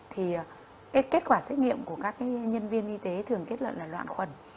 thì kết quả xét nghiệm của các nhân viên y tế thường kết luận là loạn khuẩn